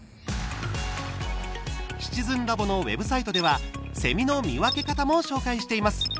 「シチズンラボ」のウェブサイトではセミの見分け方も紹介しています。